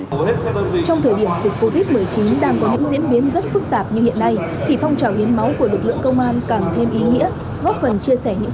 trong thời điểm dịch covid một mươi chín đang có những diễn biến rất phức tạp như hiện nay